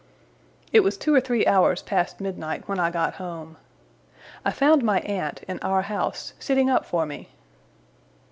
It was two or three hours past midnight when I got home. I found my aunt, in our house, sitting up for me.